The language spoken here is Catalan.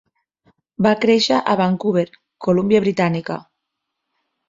Va créixer a Vancouver, Columbia Britànica.